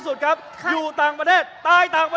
คุณจิลายุเขาบอกว่ามันควรทำงานร่วมกัน